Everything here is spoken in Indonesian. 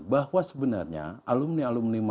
bahwa sebenarnya alumni alumni